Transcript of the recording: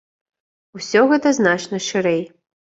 Усё гэта значна шырэй.